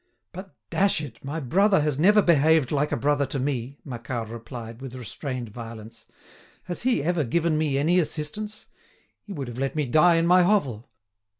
"But, dash it, my brother has never behaved like a brother to me," Macquart replied, with restrained violence. "Has he ever given me any assistance? He would have let me die in my hovel!